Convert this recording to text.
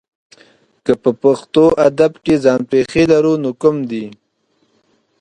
که په پښتو ادب کې ځان پېښې لرو نو کوم دي؟